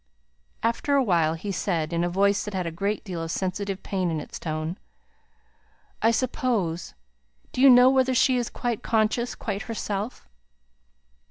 After a while he said, in a voice that had a great deal of sensitive pain in its tone, "I suppose do you know whether she is quite conscious quite herself?"